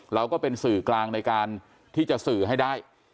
เราก็เป็นสื่อกลางในการที่จะสื่อให้ได้